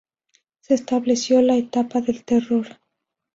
Se estableció la etapa del Terror.